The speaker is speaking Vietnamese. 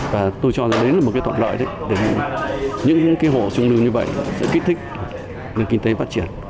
và tôi cho đến là một cái toàn lợi đấy những cái hộ trung lưu như vậy sẽ kích thích kinh tế phát triển